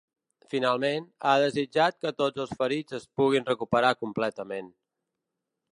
Finalment, ha desitjat que tots els ferits es puguin recuperar completament.